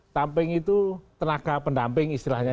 tamping itu tenaga pendamping istilahnya